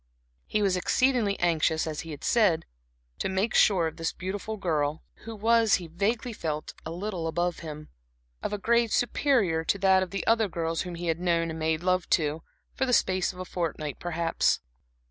He was exceedingly anxious, as he had said, to make sure of this beautiful girl, who was, he vaguely felt, a little above him of a grade superior to that of the other girls whom he had known and made love to, for the space of a fortnight perhaps.